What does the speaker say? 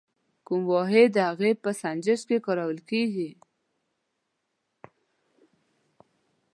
کوم واحد د هغې په سنجش کې کارول کیږي؟